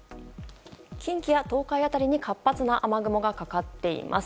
近畿や東海辺りに活発な雨雲がかかっています。